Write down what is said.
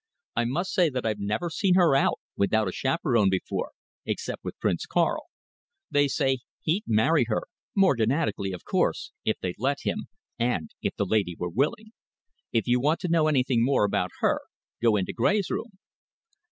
I must say that I've never seen her out without a chaperon before, except with Prince Karl. They say he'd marry her morganatically, of course if they'd let him, and if the lady were willing. If you want to know anything more about her, go into Gray's room."